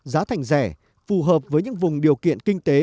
giá thành rẻ phù hợp với những vùng điều kiện không có nguyên liệu